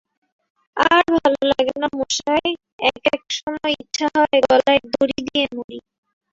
আর ভালো লাগে না মশায়, এক-এক সময় ইচ্ছা হয় গলায় দড়ি দিয়ে মরি!